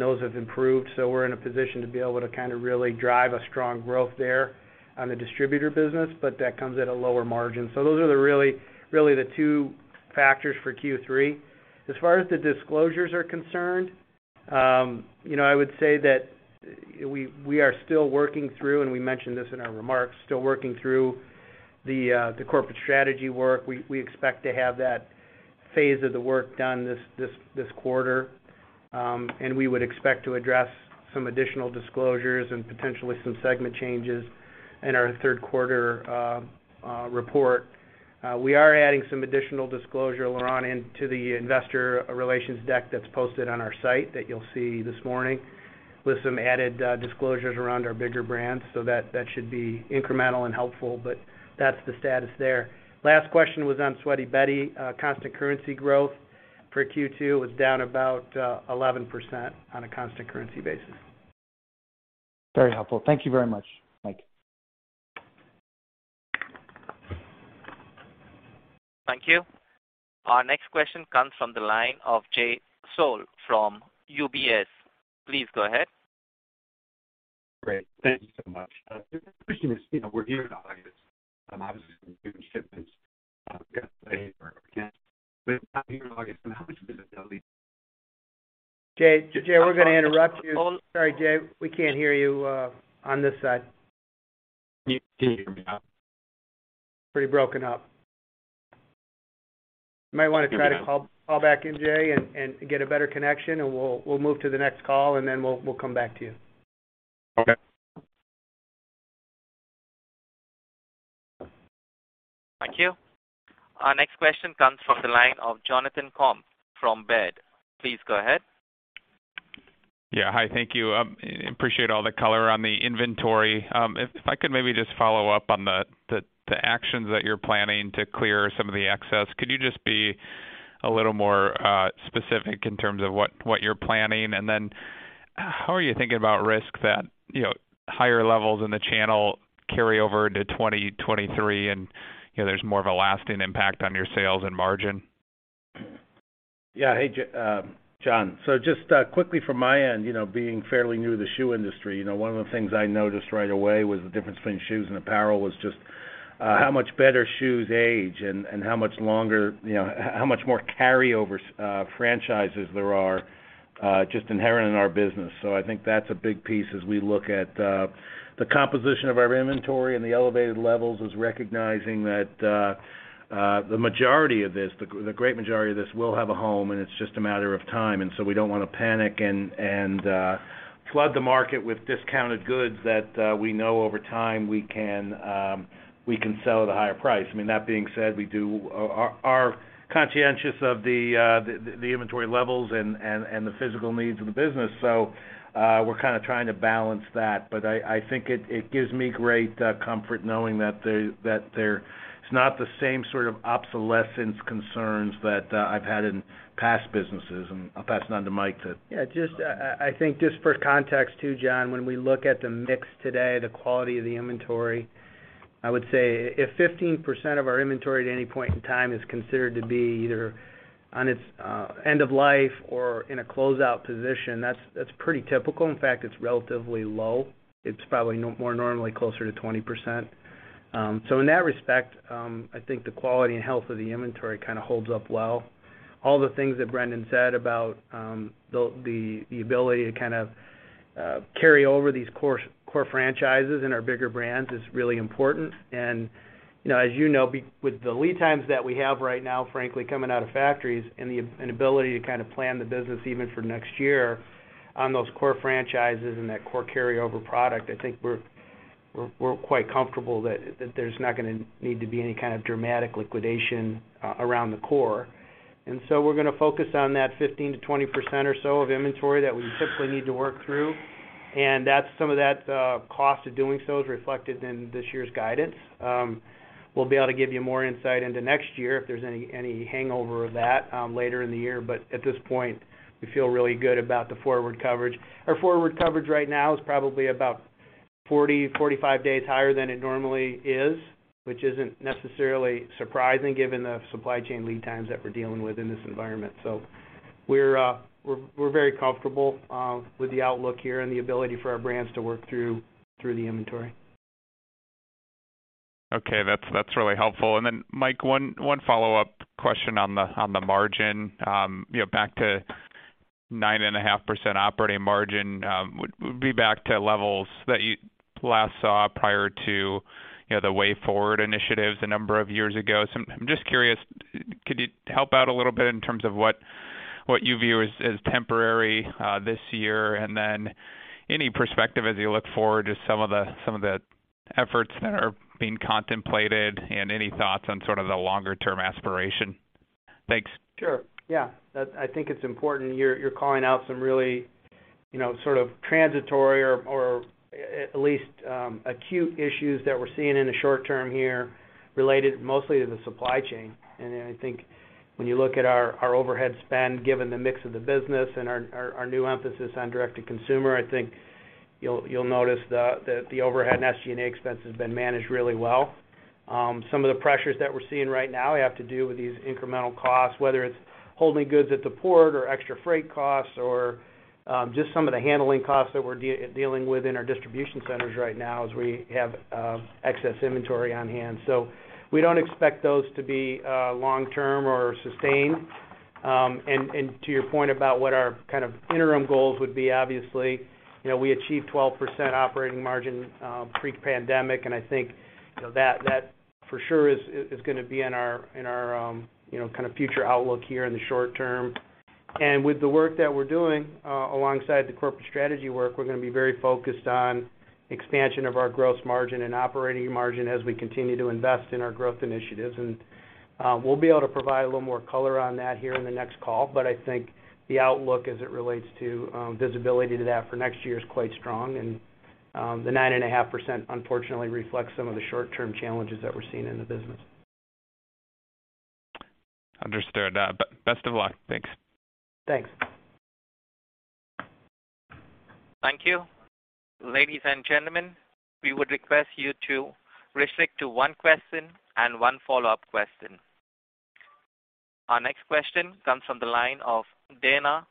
those have improved. We're in a position to be able to kind of really drive a strong growth there on the distributor business, but that comes at a lower margin. Those are really the two factors for Q3. As far as the disclosures are concerned, you know, I would say that we are still working through, and we mentioned this in our remarks, still working through the corporate strategy work. We expect to have that phase of the work done this quarter. We would expect to address some additional disclosures and potentially some segment changes in our third quarter report. We are adding some additional disclosure, Laurent, into the investor relations deck that's posted on our site that you'll see this morning with some added disclosures around our bigger brands. That should be incremental and helpful, but that's the status there. Last question was on Sweaty Betty. Constant currency growth for Q2 was down about 11% on a constant currency basis. Very helpful. Thank you very much, Mike. Thank you. Our next question comes from the line of Jay Sole from UBS. Please go ahead. Great. Thank you so much. The question is, you know, we're here in August. Obviously, we've been doing shipments, Jay we're gonna interrupt you. Sorry, Jay. We can't hear you on this side. You can't hear me? Pretty broken up. You might wanna try to call back in, Jay, and get a better connection, and we'll move to the next call, and then we'll come back to you. Okay. Thank you. Our next question comes from the line of Jonathan Komp from Baird. Please go ahead. Yeah. Hi thank you. Appreciate all the color on the inventory. If I could maybe just follow up on the actions that you're planning to clear some of the excess. Could you just be a little more specific in terms of what you're planning? How are you thinking about risk that, you know, higher levels in the channel carry over into 2023 and, you know, there's more of a lasting impact on your sales and margin? Yeah. Hey John. Just quickly from my end, you know, being fairly new to the shoe industry, you know, one of the things I noticed right away was the difference between shoes and apparel was just how much better shoes age and how much longer, you know, how much more carryovers, franchises there are, just inherent in our business. I think that's a big piece as we look at the composition of our inventory and the elevated levels is recognizing that the majority of this, the great majority of this will have a home, and it's just a matter of time. We don't wanna panic and flood the market with discounted goods that we know over time we can sell at a higher price. I mean that being said we are conscientious of the inventory levels and the physical needs of the business. We're kinda trying to balance that. I think it gives me great comfort knowing that there's not the same sort of obsolescence concerns that I've had in past businesses. I'll pass it on to Mike to- Yeah just I think just for context too, John, when we look at the mix today, the quality of the inventory, I would say if 15% of our inventory at any point in time is considered to be either on its end of life or in a closeout position, that's pretty typical. In fact, it's relatively low. It's probably more normally closer to 20%. In that respect, I think the quality and health of the inventory kind of holds up well. All the things that Brendan said about the ability to kind of carry over these core franchises in our bigger brands is really important. You know, as you know, with the lead times that we have right now, frankly, coming out of factories and ability to kind of plan the business even for next year on those core franchises and that core carry over product, I think we're quite comfortable that there's not gonna need to be any kind of dramatic liquidation around the core. We're gonna focus on that 15%-20% or so of inventory that we typically need to work through. That's some of that cost of doing so is reflected in this year's guidance. We'll be able to give you more insight into next year if there's any hangover of that later in the year. At this point, we feel really good about the forward coverage. Our forward coverage right now is probably about 40-45 days higher than it normally is, which isn't necessarily surprising given the supply chain lead times that we're dealing with in this environment. We're very comfortable with the outlook here and the ability for our brands to work through the inventory. Okay. That's really helpful. Mike, one follow-up question on the margin. You know, back to 9.5% operating margin, would be back to levels that you last saw prior to, you know, the Way Forward initiatives a number of years ago. I'm just curious, could you help out a little bit in terms of what you view as temporary this year? Any perspective as you look forward to some of the efforts that are being contemplated and any thoughts on sort of the longer term aspiration? Thanks. Sure. Yeah. That I think it's important. You're calling out some really, you know, sort of transitory or at least acute issues that we're seeing in the short term here related mostly to the supply chain. I think when you look at our overhead spend, given the mix of the business and our new emphasis on direct to consumer, I think you'll notice the overhead and SG&A expense has been managed really well. Some of the pressures that we're seeing right now have to do with these incremental costs, whether it's holding goods at the port or extra freight costs or just some of the handling costs that we're dealing with in our distribution centers right now as we have excess inventory on hand. We don't expect those to be long-term or sustained. To your point about what our kind of interim goals would be. Obviously, you know, we achieved 12% operating margin pre-pandemic, and I think, you know, that for sure is gonna be in our you know kind of future outlook here in the short term. With the work that we're doing alongside the corporate strategy work, we're gonna be very focused on expansion of our gross margin and operating margin as we continue to invest in our growth initiatives. We'll be able to provide a little more color on that here in the next call. I think the outlook as it relates to visibility to that for next year is quite strong. The 9.5% unfortunately reflects some of the short-term challenges that we're seeing in the business. Understood. Best of luck. Thanks. Thanks. Thank you. Ladies and gentlemen, we would request you to restrict to one question and one follow-up question. Our next question comes from the line of Dana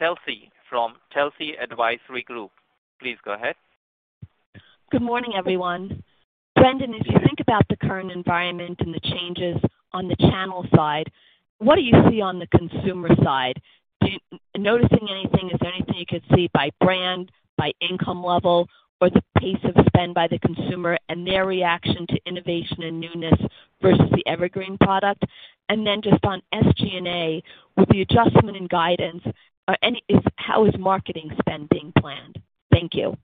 Telsey from Telsey Advisory Group. Please go ahead. Good morning everyone. Brendan, as you think about the current environment and the changes on the channel side, what do you see on the consumer side? Noticing anything, is there anything you could see by brand, by income level, or the pace of spend by the consumer and their reaction to innovation and newness versus the evergreen product? Just on SG&A, with the adjustment and guidance, how is marketing spend being planned? Thank you.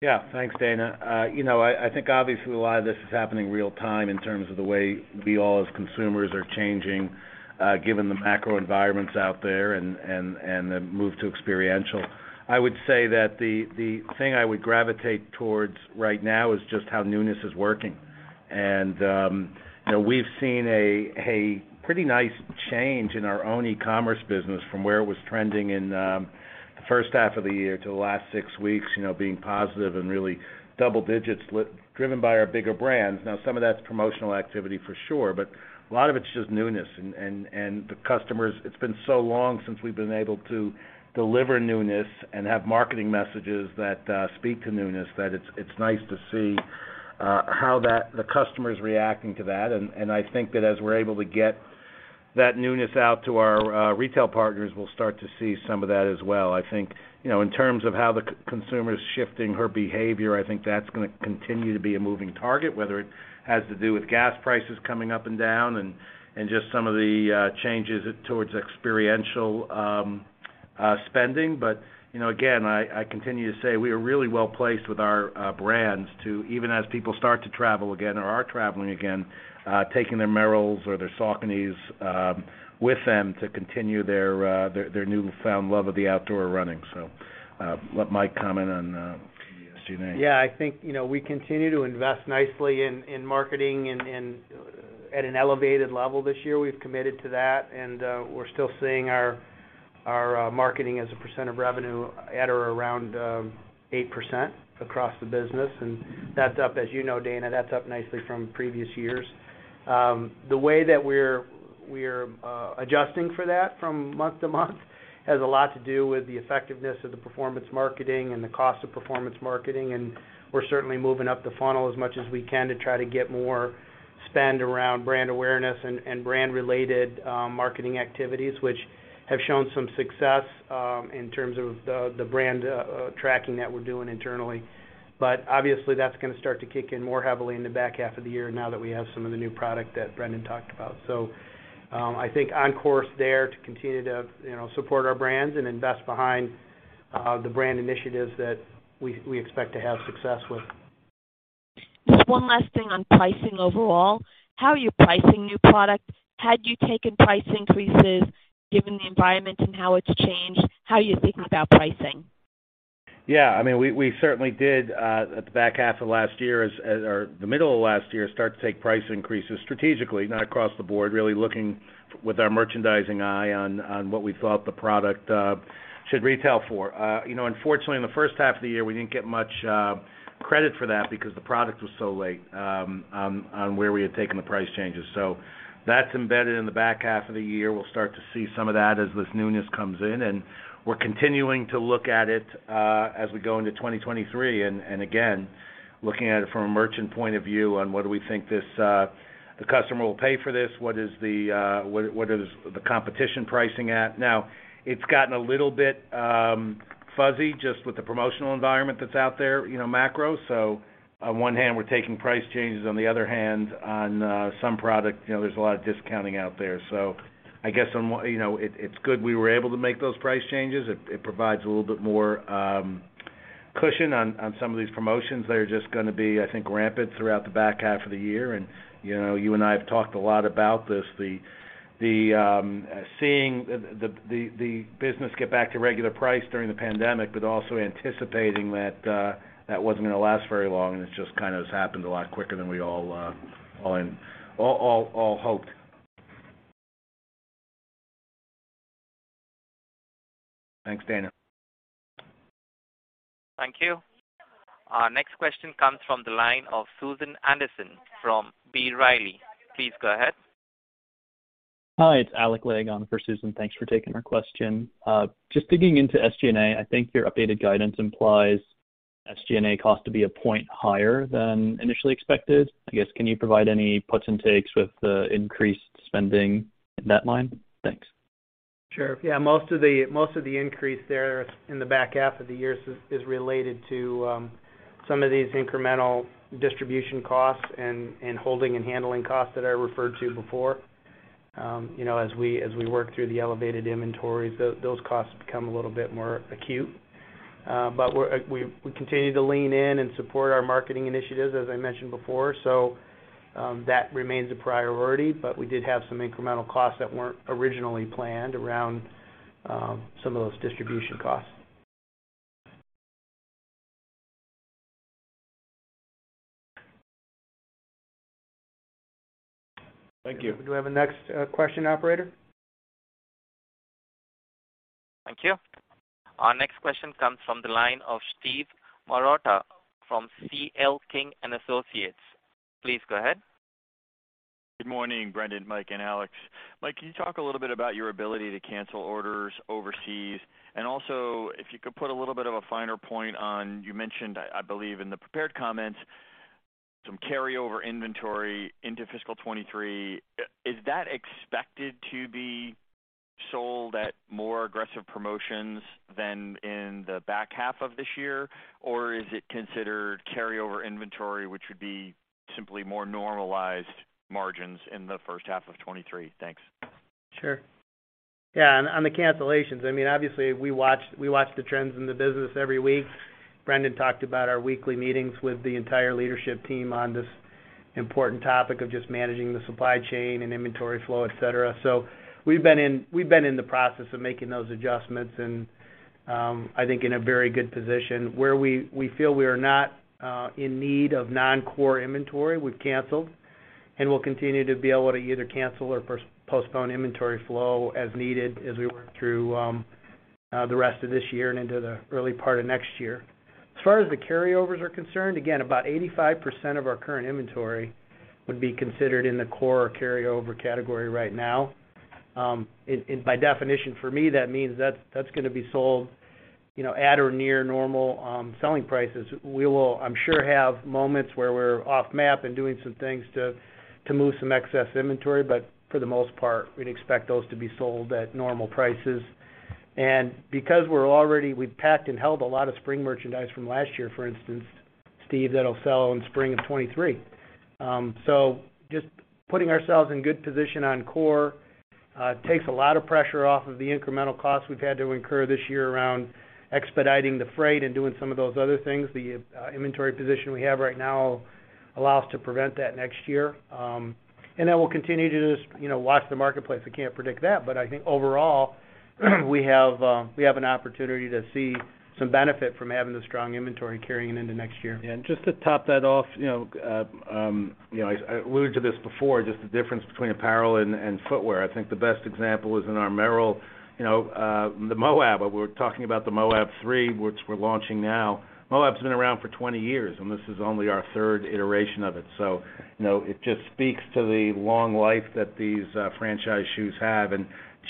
Yeah. Thanks Dana. You know, I think obviously a lot of this is happening real time in terms of the way we all as consumers are changing, given the macro environments out there and the move to experiential. I would say that the thing I would gravitate towards right now is just how newness is working. You know, we've seen a pretty nice change in our own e-commerce business from where it was trending in the first half of the year to the last six weeks, being positive and really double digits driven by our bigger brands. Now, some of that's promotional activity for sure, but a lot of it's just newness. The customers it's been so long since we've been able to deliver newness and have marketing messages that speak to newness, that it's nice to see how the customer is reacting to that. I think that as we're able to get that newness out to our retail partners, we'll start to see some of that as well. I think, you know, in terms of how the consumer is shifting her behavior, I think that's gonna continue to be a moving target, whether it has to do with gas prices coming up and down and just some of the changes towards experiential spending. You know again, I continue to say we are really well-placed with our brands to even as people start to travel again or are traveling again, taking their Merrells or their Sauconys with them to continue their newfound love of the outdoor running. Let Mike comment on the SG&A. Yeah. I think you know we continue to invest nicely in marketing and at an elevated level this year. We've committed to that, and we're still seeing our marketing as a percent of revenue at or around 8% across the business. That's up as you know, Dana. That's up nicely from previous years. The way that we're adjusting for that from month to month has a lot to do with the effectiveness of the performance marketing and the cost of performance marketing. We're certainly moving up the funnel as much as we can to try to get more spend around brand awareness and brand-related marketing activities, which have shown some success in terms of the brand tracking that we're doing internally. Obviously that's gonna start to kick in more heavily in the back half of the year now that we have some of the new product that Brendan talked about. I think on course there to continue to, you know, support our brands and invest behind, the brand initiatives that we expect to have success with. Just one last thing on pricing overall. How are you pricing new products? Had you taken price increases given the environment and how it's changed, how are you thinking about pricing? Yeah. I mean we certainly did at the back half of last year as the middle of last year start to take price increases strategically, not across the board, really looking with our merchandising eye on what we thought the product should retail for. You know, unfortunately, in the first half of the year, we didn't get much credit for that because the product was so late on where we had taken the price changes. That's embedded in the back half of the year. We'll start to see some of that as this newness comes in, and we're continuing to look at it as we go into 2023. Looking at it from a merchant point of view on whether we think this, the customer will pay for this, what is the competition pricing at. Now, it's gotten a little bit fuzzy just with the promotional environment that's out there, you know, macro. On one hand, we're taking price changes. On the other hand, on some product, you know, there's a lot of discounting out there. I guess, you know, it's good we were able to make those price changes. It provides a little bit more cushion on some of these promotions that are just gonna be, I think, rampant throughout the back half of the year. You know, you and I have talked a lot about this. Seeing the business get back to regular price during the pandemic, but also anticipating that that wasn't gonna last very long, and it just kind of has happened a lot quicker than we all hoped. Thanks, Dana. Thank you. Our next question comes from the line of Susan Anderson from B. Riley. Please go ahead. Hi, it's Alec Legg for Susan. Thanks for taking our question. Just digging into SG&A, I think your updated guidance implies SG&A cost to be a point higher than initially expected. I guess, can you provide any puts and takes with the increased spending in that line? Thanks. Sure. Yeah, most of the increase there in the back half of the year is related to some of these incremental distribution costs and holding and handling costs that I referred to before. You know, as we work through the elevated inventories, those costs become a little bit more acute. We continue to lean in and support our marketing initiatives, as I mentioned before. That remains a priority. We did have some incremental costs that weren't originally planned around some of those distribution costs. Thank you. Do we have the next question, Operator? Thank you. Our next question comes from the line of Steve Marotta from CL King & Associates. Please go ahead. Good morning Brendan, Mike, and Alex. Mike, can you talk a little bit about your ability to cancel orders overseas? Also, if you could put a little bit of a finer point on, you mentioned, I believe in the prepared comments, some carryover inventory into fiscal 2023. Is that expected to be sold at more aggressive promotions than in the back half of this year? Or is it considered carryover inventory, which would be simply more normalized margins in the first half of 2023? Thanks. Sure. Yeah. On the cancellations, I mean, obviously we watch the trends in the business every week. Brendan talked about our weekly meetings with the entire leadership team on this important topic of just managing the supply chain and inventory flow, etc. We've been in the process of making those adjustments, and I think in a very good position where we feel we are not in need of non-core inventory. We've canceled. We'll continue to be able to either cancel or postpone inventory flow as needed as we work through the rest of this year and into the early part of next year. As far as the carryovers are concerned, again, about 85% of our current inventory would be considered in the core or carryover category right now. By definition, for me, that means that's gonna be sold, you know, at or near normal selling prices. We will, I'm sure, have moments where we're off map and doing some things to move some excess inventory, but for the most part, we'd expect those to be sold at normal prices. Because we've packed and held a lot of spring merchandise from last year, for instance, Steve, that'll sell in spring of 2023. Just putting ourselves in good position on core takes a lot of pressure off of the incremental costs we've had to incur this year around expediting the freight and doing some of those other things. The inventory position we have right now allow us to prevent that next year. We'll continue to just, you know, watch the marketplace. I can't predict that, but I think overall, we have an opportunity to see some benefit from having the strong inventory carrying it into next year. Yeah just to top that off you know, I alluded to this before, just the difference between apparel and footwear. I think the best example is in our Merrell, you know, the Moab. We're talking about the Moab 3, which we're launching now. Moab's been around for 20 years, and this is only our third iteration of it. It just speaks to the long life that these franchise shoes have.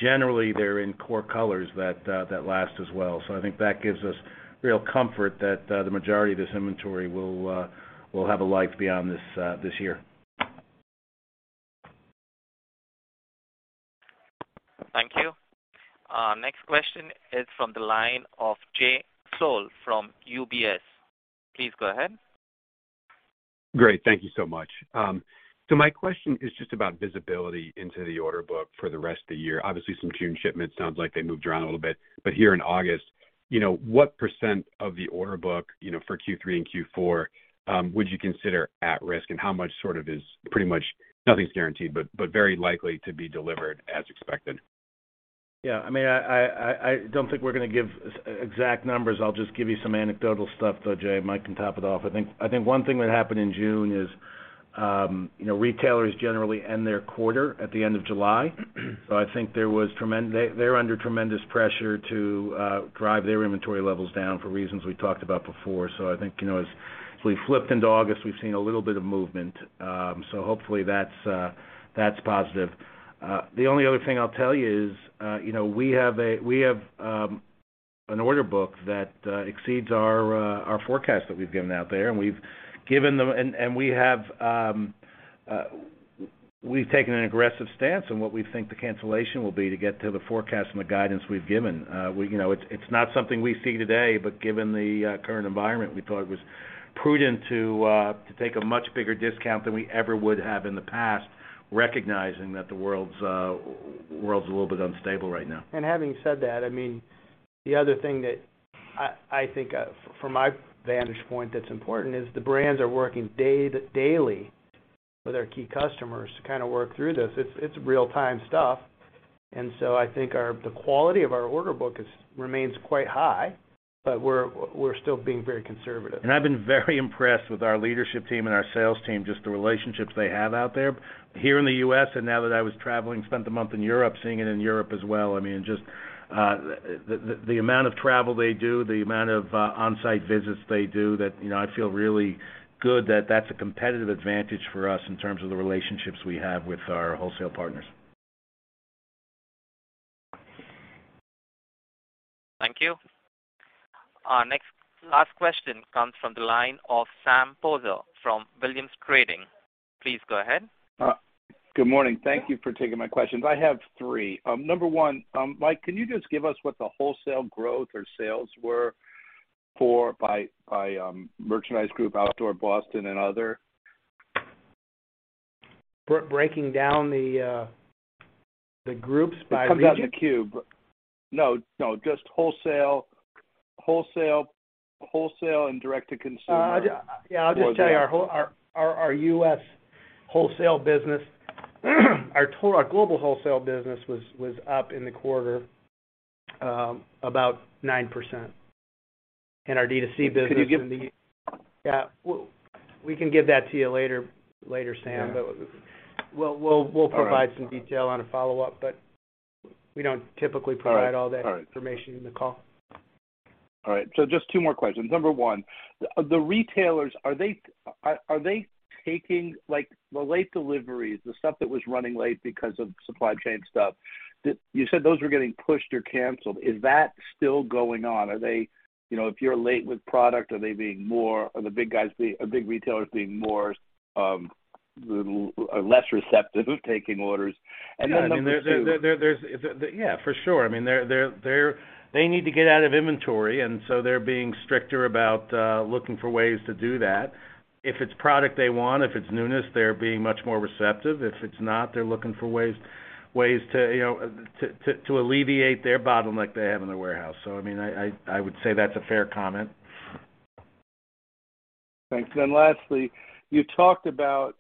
Generally, they're in core colors that last as well. I think that gives us real comfort that the majority of this inventory will have a life beyond this year. Thank you. Next question is from the line of Jay Sole from UBS. Please go ahead. Great. Thank you so much. My question is just about visibility into the order book for the rest of the year. Obviously, some June shipments, sounds like they moved around a little bit. Here in August, you know, what % of the order book, you know, for Q3 and Q4, would you consider at risk, and how much sort of is pretty much, nothing's guaranteed, but very likely to be delivered as expected? Yeah I mean, I don't think we're gonna give exact numbers. I'll just give you some anecdotal stuff though, Jay. Mike can top it off. I think one thing that happened in June is, you know, retailers generally end their quarter at the end of July. So I think they're under tremendous pressure to drive their inventory levels down for reasons we talked about before. So I think, you know, as we flipped into August, we've seen a little bit of movement. So hopefully that's positive. The only other thing I'll tell you is, you know, we have an order book that exceeds our forecast that we've given out there, and we've taken an aggressive stance on what we think the cancellation will be to get to the forecast and the guidance we've given. You know, it's not something we see today, but given the current environment, we thought it was prudent to take a much bigger discount than we ever would have in the past, recognizing that the world's a little bit unstable right now. Having said that I mean the other thing that I think from my vantage point that's important is the brands are working daily with our key customers to kinda work through this. It's real time stuff. I think the quality of our order book remains quite high, but we're still being very conservative. I've been very impressed with our leadership team and our sales team, just the relationships they have out there. Here in the U.S., and now that I was traveling, spent the month in Europe, seeing it in Europe as well. I mean, just the amount of travel they do, the amount of on-site visits they do, you know, I feel really good that that's a competitive advantage for us in terms of the relationships we have with our wholesale partners. Thank you. Our last question comes from the line of Sam Poser from Williams Trading. Please go ahead. Good morning. Thank you for taking my questions. I have three. Number one, Mike, can you just give us what the wholesale growth or sales were for by merchandise group, Outdoor, Boston, and Other? Breaking down the groups by region? It comes out in the cube. No, just wholesale. Wholesale and direct-to-consumer. Yeah, I'll just tell you. Our U.S. wholesale business, our global wholesale business was up in the quarter about 9%. Our D2C business Could you give the? Yeah. We can give that to you later, Sam. Yeah. We'll provide. All right. Some detail on a follow-up, but we don't typically provide. All right. All right. all that information in the call. All right just two more questions. Number one, the retailers, are they taking, like, the late deliveries, the stuff that was running late because of supply chain stuff, you said those were getting pushed or canceled. Is that still going on? Are they, you know, if you're late with product, are big retailers being more less receptive taking orders? And then number two- No I mean. Yeah, for sure. I mean, they need to get out of inventory, and so they're being stricter about looking for ways to do that. If it's product they want, if it's newness, they're being much more receptive. If it's not, they're looking for ways to, you know, to alleviate their bottleneck they have in their warehouse. I mean, I would say that's a fair comment. Thanks. Lastly, you talked about,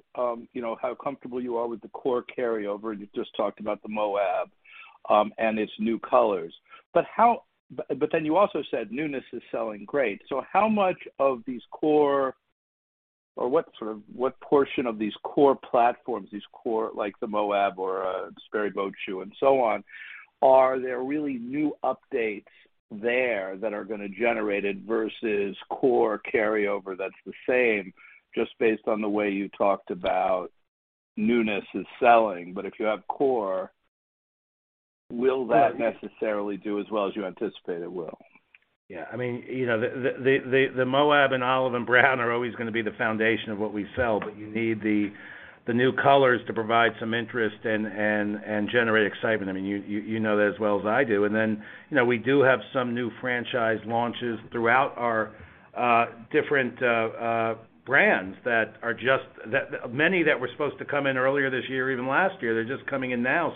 you know, how comfortable you are with the core carryover, and you just talked about the Moab, and its new colors. You also said newness is selling great. How much of these core or what portion of these core platforms, these core, like the Moab or, Sperry boat shoe and so on, are there really new updates there that are gonna generate it versus core carryover that's the same, just based on the way you talked about newness is selling. If you have core, will that necessarily do as well as you anticipate it will? Yeah. I mean, you know, the Moab and Olive & Brown are always gonna be the foundation of what we sell, but you need the new colors to provide some interest and generate excitement. I mean, you know that as well as I do. You know, we do have some new franchise launches throughout our different brands that are just many that were supposed to come in earlier this year or even last year, they're just coming in now.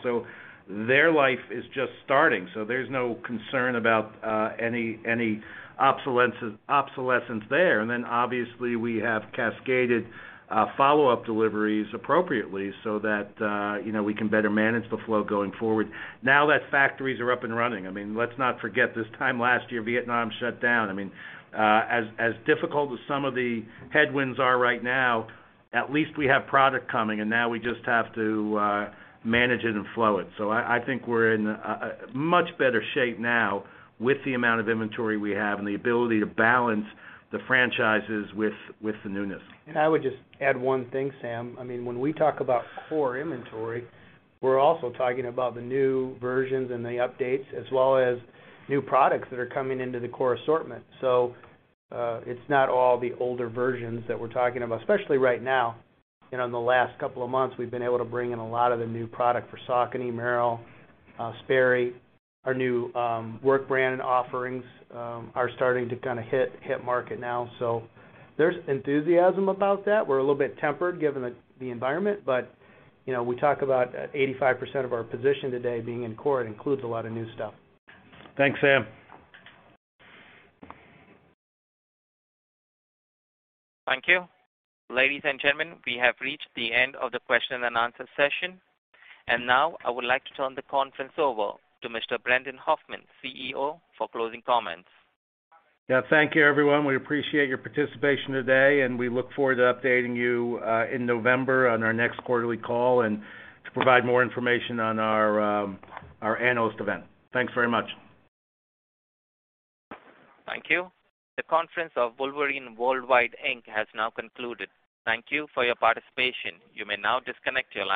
Their life is just starting. There's no concern about any obsolescence there. Obviously we have cascaded follow-up deliveries appropriately so that you know, we can better manage the flow going forward now that factories are up and running. I mean, let's not forget, this time last year, Vietnam shut down. I mean, as difficult as some of the headwinds are right now, at least we have product coming, and now we just have to manage it and flow it. I think we're in a much better shape now with the amount of inventory we have and the ability to balance the franchises with the newness. I would just add one thing, Sam. I mean, when we talk about core inventory, we're also talking about the new versions and the updates, as well as new products that are coming into the core assortment. It's not all the older versions that we're talking about, especially right now. You know, in the last couple of months, we've been able to bring in a lot of the new product for Saucony, Merrell, Sperry. Our new work brand offerings are starting to kinda hit market now. There's enthusiasm about that. We're a little bit tempered given the environment, but you know, we talk about 85% of our position today being in core. It includes a lot of new stuff. Thanks Sam. Thank you. Ladies and gentlemen, we have reached the end of the question and answer session. Now, I would like to turn the conference over to Mr. Brendan Hoffman, CEO, for closing comments. Yeah. Thank you everyone. We appreciate your participation today, and we look forward to updating you in November on our next quarterly call and to provide more information on our Analyst Day. Thanks very much. Thank you. The conference of Wolverine Worldwide Inc. has now concluded. Thank you for your participation. You may now disconnect your line.